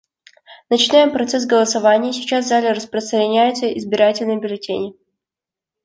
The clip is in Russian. Начинаем процесс голосования; сейчас в зале распространяются избирательные бюллетени.